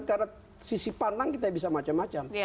karena sisi pandang kita bisa macam macam